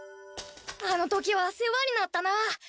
あの時は世話になったな。